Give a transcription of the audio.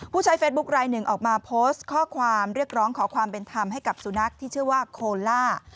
ผู้ใช้เฟซบุ๊คลายหนึ่งออกมาโพสต์ข้อความเรียกร้องขอความเป็นธรรมให้กับสุนัขที่ชื่อว่าโคล่า